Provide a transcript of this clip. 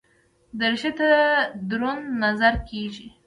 دریشي ته دروند نظر کېږي.